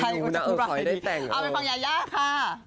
เอาเป็นพางยาย่าค่ะ